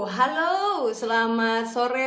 halo selamat sore